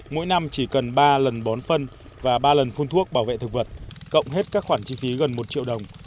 mỗi năm chỉ cần ba lần bón phân và ba lần phun thuốc bảo vệ thực vật cộng hết các khoản chi phí gần một triệu đồng